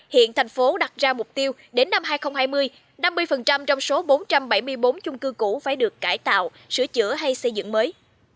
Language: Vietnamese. hiện thành phố đặt ra mục tiêu đến năm hai nghìn hai mươi năm mươi trong số bốn trăm bảy mươi bốn chung cư cũ phải được cải tạo sửa chữa hay xây dựng mới